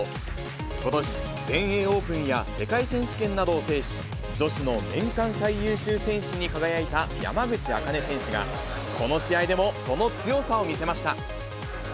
ことし、全英オープンや世界選手権などを制し、女子の年間最優秀選手に輝いた、山口茜選手が、この試合でもその強さを見せました。